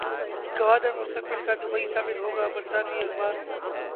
گوادر مستقبل کا دبئی ثابت ہوگا برطانوی اخبار